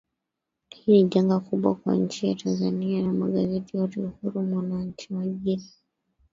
hili ni janga kubwa kwa nchi ya tanzania na magazeti yote uhuru mwananchi majira